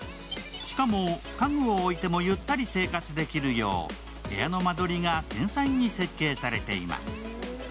しかも、家具を置いてもゆったり生活できるよう、部屋の間取りが繊細に設計されています。